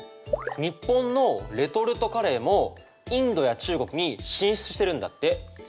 日本のレトルトカレーもインドや中国に進出してるんだって。